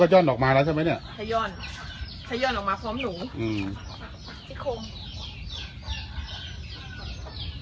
ก็จ้อนออกมาแล้วใช่ไหมเนี่ยจะย่อนจะย่อนออกมาพร้อมหนูอืม